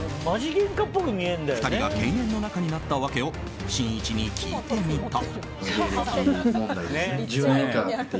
２人が犬猿の仲になった訳をしんいちに聞いてみた。